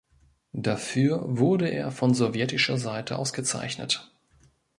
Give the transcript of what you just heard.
Dafür wurde er von sowjetischer Seite ausgezeichnet.